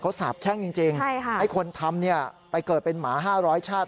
เขาสาบแช่งจริงไอ้คนทำเนี่ยไปเกิดเป็นหมา๕๐๐ชาติ